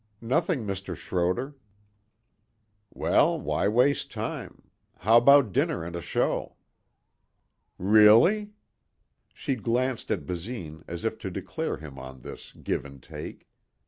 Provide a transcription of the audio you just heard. "Nothing, Mr. Schroder." "Well, why waste time? How about dinner and a show?" "Really?" She glanced at Basine as if to declare him in on this give and take.